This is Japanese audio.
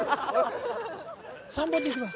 ３番でいきます。